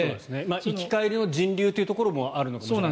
行き帰りの人流というところもあるのかもしれない。